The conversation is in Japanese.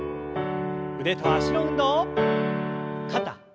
腕と脚の運動。